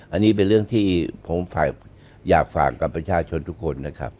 อันนี้เป็นเรื่องที่ผมอยากฝากกับประชาชนทุกคนนะครับ